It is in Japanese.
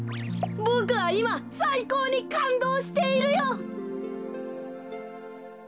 ボクはいまさいこうにかんどうしているよ！